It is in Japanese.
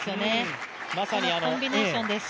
うまいコンビネーションです。